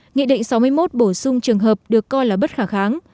nghị định sáu mươi một bổ sung trường hợp được coi là bất khả kháng